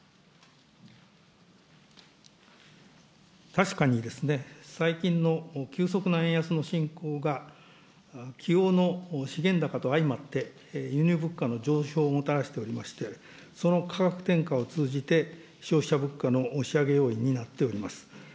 確かに、最近の急速な円安の進行が、きおうの資源高と相まって、輸入物価の上昇をもたらしておりまして、その価格転嫁を通じて消費者物価の押し上げ要因になっております。